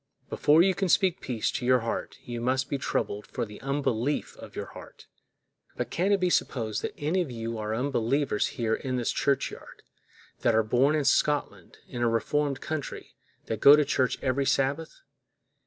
Before you can speak peace to your heart, you must be troubled for the unbelief of your heart. But can it be supposed that any of you are unbelievers here in this churchyard, that are born in Scotland, in a reformed country, that go to church every Sabbath?